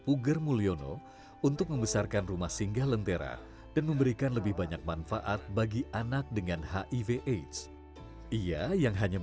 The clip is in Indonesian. begitu teganya orang mengusir orang kayak orang mengusir binatang yang kudisen padahal ini manusia